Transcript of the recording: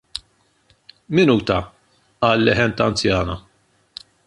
" Minuta, " qal leħen ta' anzjana.